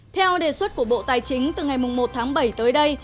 theo đề xuất của bộ tài chính từ ngày một tháng bảy tới đây